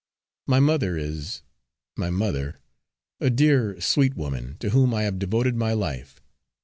My mother is my mother a dear, sweet woman to whom I have devoted my life!